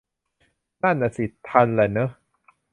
นั่นน่ะสิ ทันแหละเนอะ